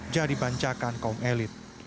jadi bancakan kaum elit